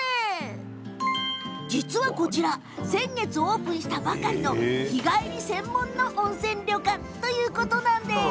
実は、こちら先月オープンしたばかりの日帰り専門の温泉旅館ということなんです。